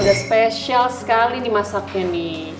udah spesial sekali nih masaknya nih